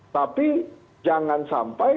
tapi jangan sampai